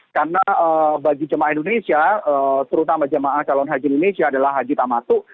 karena bagi jamaah indonesia terutama jamaah calon haji indonesia adalah haji tamatu